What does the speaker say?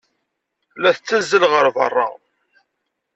La tettazzal ɣer beṛṛa.